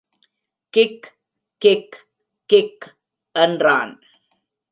Kick kick kick என்றான்.